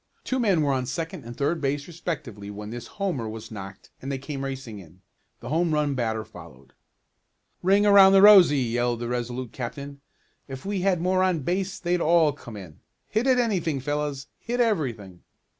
Two men were on second and third base respectively when this "homer" was knocked and they came racing in. The home run batter followed. "Ring around the rosey!" yelled the Resolute captain. "If we had more on base they'd all come in. Hit at anything, fellows! Hit everything."